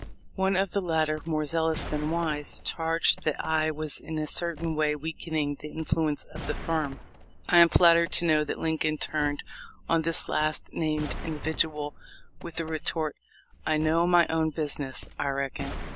One of the latter, more zealous than wise, charged that I was in a certain way weakening the influence of the firm. I am flattered to know that Lincoln turned on this last named individual with the retort, "I know my own business, I reckon.